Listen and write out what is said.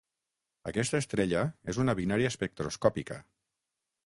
Aquesta estrella és una binària espectroscòpica.